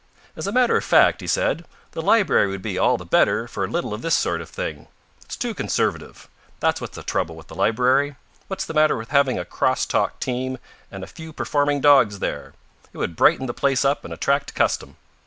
"As a matter of fact," he said, "the library would be all the better for a little of this sort of thing. It's too conservative. That's what's the trouble with the library. What's the matter with having a cross talk team and a few performing dogs there? It would brighten the place up and attract custom.